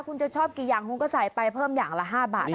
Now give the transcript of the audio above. คุณจะชอบกี่อย่างคุณก็ใส่ไปเพิ่มอย่างละ๕บาท